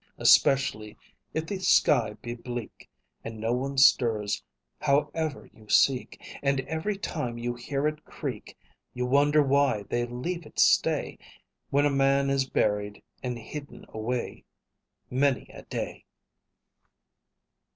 Especially if the sky be bleak, And no one stirs however you seek, And every time you hear it creak You wonder why they leave it stay When a man is buried and hidden away Many a day!